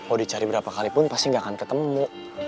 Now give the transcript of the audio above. oh dicari berapa kalipun pasti gak akan ketemu